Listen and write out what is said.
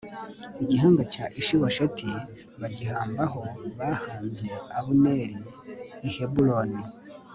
igihanga cya ishibosheti bagihamba aho bahambye abuneri i heburoni